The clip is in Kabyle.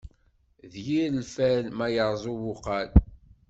D yir lfal, ma yerreẓ ubuqal.